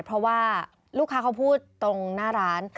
เพราะว่าลูกค้าเขาพูดตรงหน้าร้าน